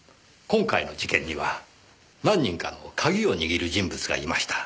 今回の事件には何人かの鍵を握る人物がいました。